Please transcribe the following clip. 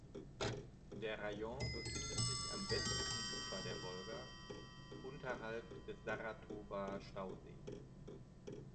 Der Rajon befindet sich am westlichen Ufer der Wolga, unterhalb des Saratower Stausees.